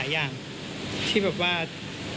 อยู่บนสวรรค์